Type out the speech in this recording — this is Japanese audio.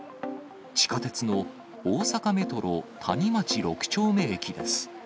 地下鉄の大阪メトロ谷町六丁目駅です。